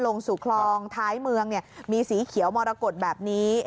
ลงสู่คลองท้ายเมืองมีสีเขียวมรกฏแบบนี้